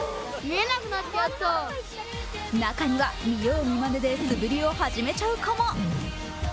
中には見よう見まねで素振りを始めちゃう子も。